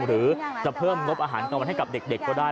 หรือจะเพิ่มงบอาหารกลางวันให้กับเด็กก็ได้